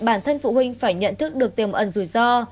bản thân phụ huynh phải nhận thức được tiềm ẩn rủi ro